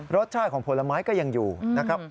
รสชาติของผลไม้ก็ยังอยู่นะครับ